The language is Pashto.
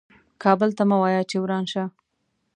کابل ته مه وایه چې وران شه .